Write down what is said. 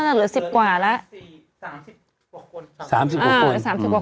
เหลือสิบกว่าแล้วสามสิบกว่าคน